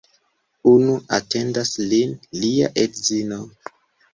Unu atendas lin, lia edzino.